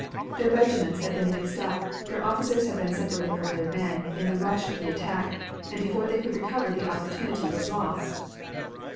Their regiments had been mixed up, their officers had been separated from their men in the rush of the attack, and before they could recover the opportunity was lost.